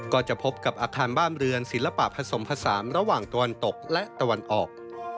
ก็จะพบกับอาคารบ้านเรือนศิลปะผสมผสานระหว่างตะวันตกและตะวันออก